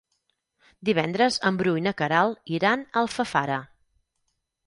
Divendres en Bru i na Queralt iran a Alfafara.